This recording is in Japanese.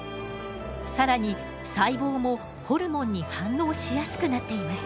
更に細胞もホルモンに反応しやすくなっています。